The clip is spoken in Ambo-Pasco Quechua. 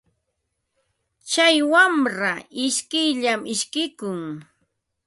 Tsay wamra ishkiyllam ishkikun.